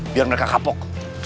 biar mereka kapok